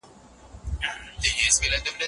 د ملکیار په سبک کې د مطلعې اهمیت خورا زیات دی.